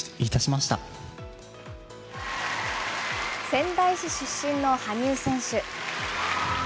仙台市出身の羽生選手。